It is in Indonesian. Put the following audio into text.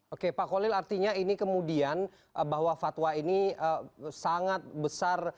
oke pak kolil artinya ini kemudian bahwa fatwa ini sangat besar